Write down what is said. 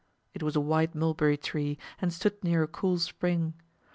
It was a white mulberry tree, and stood near a cool spring.